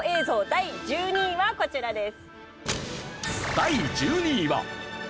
第１２位はこちらです。